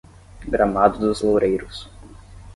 Gramado dos Loureiros